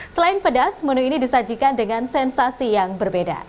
selain pedas menu ini disajikan dengan sensasi yang berbeda